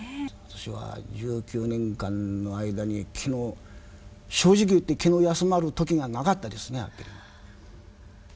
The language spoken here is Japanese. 私は１９年間の間に正直言って気の休まる時がなかったですね。